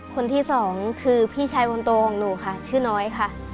คนที่สองคือพี่ชายคนโตของหนูค่ะชื่อน้อยค่ะ